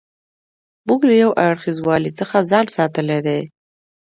موږ له یو اړخیزوالي څخه ځان ساتلی دی.